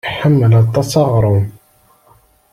Iḥemmel aṭas aɣrum.